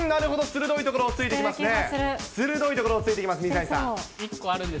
鋭いところをついてきます、水谷さん。